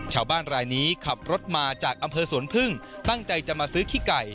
ชาวบ้านรายนี้ขับรถมาจากอำเภอสวนพึ่งตั้งใจจะมาซื้อขี้ไก่